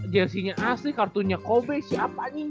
jersinya asli kartunya kobe siapa anjing